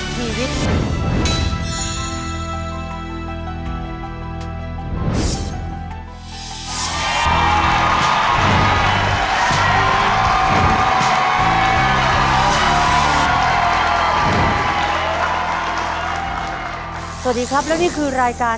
สวัสดีครับและนี่คือรายการที่เป็นความหวังของทุกคน